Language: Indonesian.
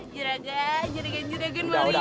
juragan juragan juragan malu ini